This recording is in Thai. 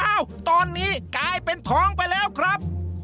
ตอนนี้กลายเป็นท้องไปแล้วครับ